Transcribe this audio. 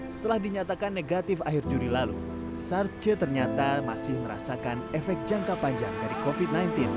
setelah dinyatakan negatif akhir juli lalu sarce ternyata masih merasakan efek jangka panjang dari covid sembilan belas